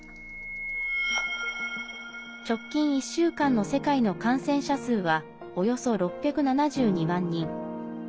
直近１週間の世界の感染者数はおよそ６７２万人。